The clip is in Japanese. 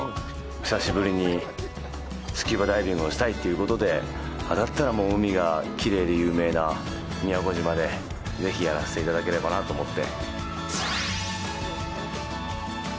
久しぶりにスキューバダイビングをしたいということで、だったら、もう海がきれいで有名な宮古島でぜひやらせていただければなと思って。